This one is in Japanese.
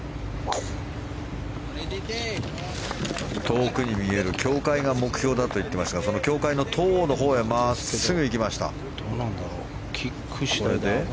遠くに見える教会が目標だといっていますがその教会の塔のほうへ真っすぐ行きました。